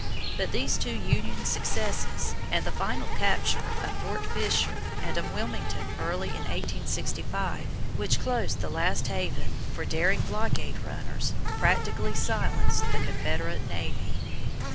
But these two Union successes, and the final capture of Fort Fisher and of Wilmington early in 1865, which closed the last haven for daring blockade runners, practically silenced the Confederate navy.